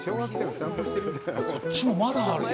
こっちもまだあるよ。